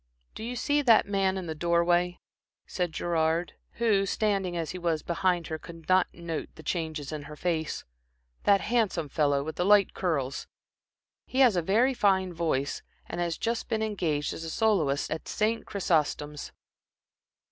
"Do you see that man in the door way?" said Gerard, who, standing as he was behind her could not note the changes in her face, "that handsome fellow with the light curls? He has a very fine voice, and has just been engaged as soloist at St. Chrysostom's."